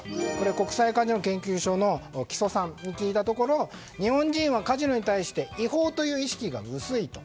国際カジノ研究所の木曽さんに聞いたところ日本人はカジノに対して違法という意識が薄いと。